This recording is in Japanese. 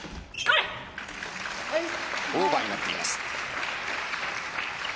オーバーになっています。